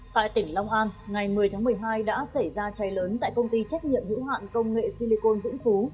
tại tỉnh long an ngày một mươi tháng một mươi hai đã xảy ra cháy lớn tại công ty trách nhiệm hữu hạn công nghệ silicon vĩnh phú